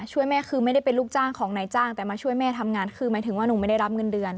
ช่วยแม่คือไม่ได้เป็นลูกจ้างของนายจ้างแต่มาช่วยแม่ทำงานคือหมายถึงว่าหนูไม่ได้รับเงินเดือน